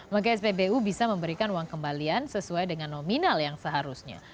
maka spbu bisa memberikan uang kembalian sesuai dengan nominal yang seharusnya